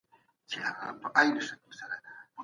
ځیني شیان شته چي زموږ څېړني له خنډ سره مخامخ کوي.